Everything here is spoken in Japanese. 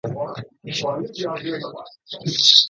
山梨県甲州市